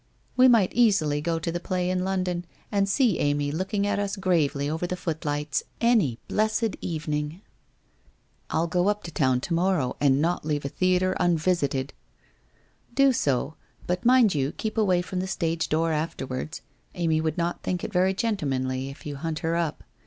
We might easily go to the play in London and see Amy looking at us gravely over the footlights any blessed evening !'' I'll go up to town to morrow and not leave a theatre unvisited !' 1 Do so, but mind you, keep away from the stage door afterwards. Amy would not think it very gentlemanly of you to hunt her up.